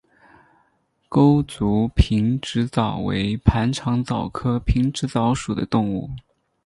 钩足平直蚤为盘肠蚤科平直蚤属的动物。